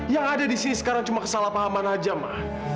yang ada disini sekarang cuma kesalahpahaman aja ma